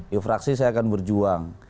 ya fraksi saya akan berjuang